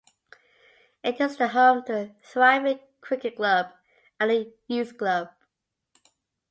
It is the home to a thriving cricket club, and a youth club.